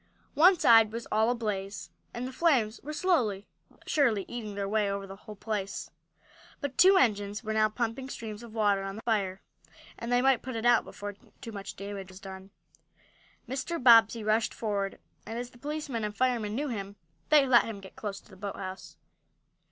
One side was all ablaze, and the flames were slowly, but surely, eating their way over the whole place. But two engines were now pumping streams of water on the fire, and they might put it out before too much damage was done. Mr. Bobbsey rushed forward, and, as the policemen and firemen knew him, they let him get close to the boathouse.